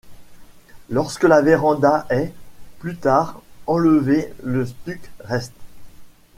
Lorsque la véranda est, plus tard, enlevée, le stuc reste.